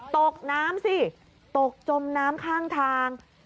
ตกน้ำสิตกจมน้ำข้างทาง